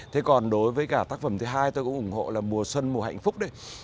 thế còn đối với cả tác phẩm thứ hai tôi cũng ủng hộ là mùa xuân mùa hạnh phúc đấy